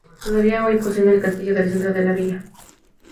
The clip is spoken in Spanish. Todavía hoy poseen el castillo del centro de la villa.